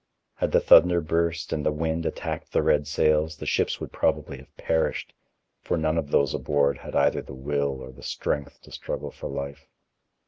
Had the thunder burst and the wind attacked the red sails, the ships would probably have perished, for none of those aboard had either the will or the strength to struggle for life.